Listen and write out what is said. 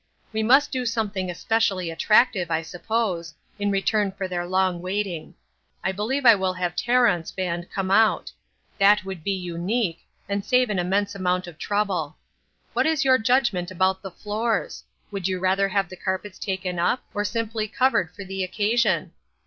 We must do some thing especially attractive, I suppose, in return for their long waiting. I believe I will have Tarrant's band come out ; that would be unique, and save an immense amount of trouble. What is your judgment about the floors? Would you rather have the carpets taken up, or simply covered for the occasion